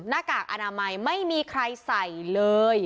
หน้ากากอนามัยไม่มีใครใส่เลย